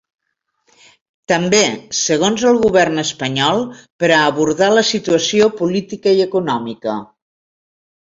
També, segons el govern espanyol, per a abordar “la situació política i econòmica”.